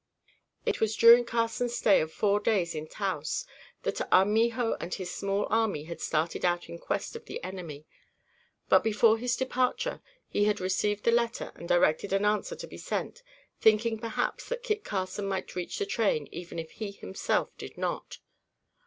It was during Carson's stay of four days in Taos, that Armijo and his small army had started out in quest of the enemy; but, before his departure, he had received the letter and directed an answer to be sent, thinking perhaps, that Kit Carson might reach the train even if he himself did not.